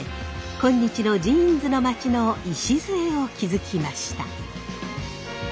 今日のジーンズの町の礎を築きました。